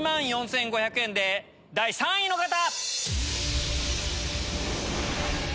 １万４５００円で第３位の方！